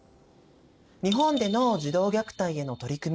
日本での児童虐待への取り組み